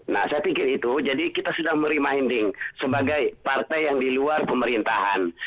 nah saya pikir itu jadi kita sudah merima hending sebagai partai yang di luar pemerintahan